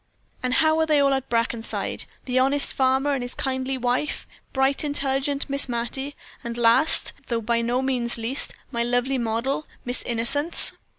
"And how are they all at Brackenside the honest farmer and his kindly wife; bright, intelligent Miss Mattie; and last, though by no means least, my lovely model, Miss Innocence?"